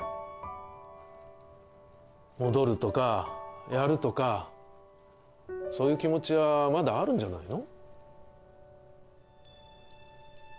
戻るとかやるとかそういう気持ちはまだあるんじゃないの？